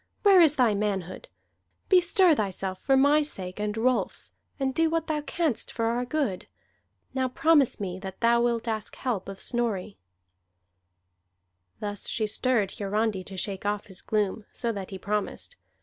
Where is thy manhood? Bestir thyself for my sake and Rolfs, and do what thou canst for our good! Now promise me that thou wilt ask help of Snorri." Thus she stirred Hiarandi to shake off his gloom, so that he promised.